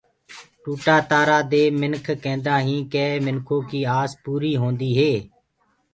ٽوٽآ تآرآ دي مِنک ڪيندآ هينٚ ڪي منو ڪيٚ آس پوري هونديٚ هي۔